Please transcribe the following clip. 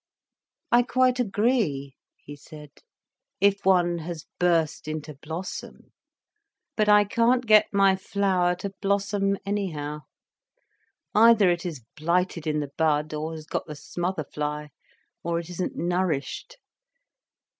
"I quite agree," he said, "if one has burst into blossom. But I can't get my flower to blossom anyhow. Either it is blighted in the bud, or has got the smother fly, or it isn't nourished.